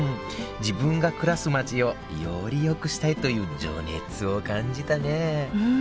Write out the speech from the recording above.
自分が暮らす街をより良くしたいという情熱を感じたねうん。